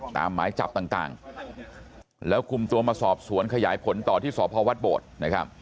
หมายจับต่างแล้วคุมตัวมาสอบสวนขยายผลต่อที่สพวัดโบดนะครับ